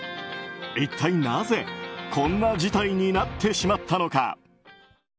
一体なぜこんな事態になってしまったのか。